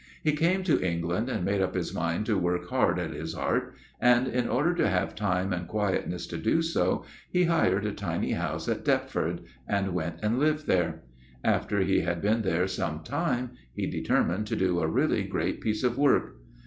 He came to England, and made up his mind to work hard at his art, and, in order to have time and quietness to do so, he hired a tiny house at Deptford, and went and lived there. After he had been there some time, he determined to do a really great piece of work.